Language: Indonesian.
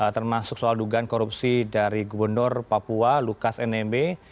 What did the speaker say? termasuk soal dugaan korupsi dari gubernur papua lukas nmb